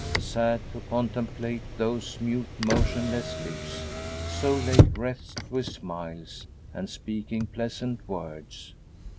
Sad to contemplate those mute motionless lips, so late wreathed with smiles, and speaking pleasant words!